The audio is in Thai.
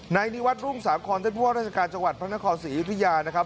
ในนี้วัดรุ่งสามคอนท่านผู้พ่อราชการจังหวัดพระนครศรีวิทยานะครับ